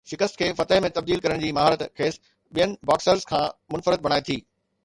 شڪست کي فتح ۾ تبديل ڪرڻ جي مهارت کيس ٻين باڪسرز کان منفرد بڻائي ٿي